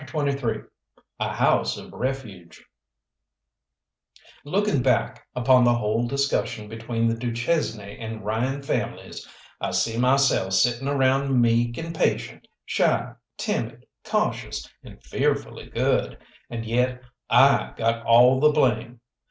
CHAPTER XXIII A HOUSE OF REFUGE Looking back upon the whole discussion between the du Chesnay and Ryan families, I see myself sitting around meek and patient, shy, timid, cautious, and fearfully good, and yet I got all the blame.